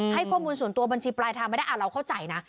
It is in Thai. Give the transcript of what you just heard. ให้ข้อมูลส่วนตัวบัญชีปลายทางไม่ได้เราเข้าใจนะ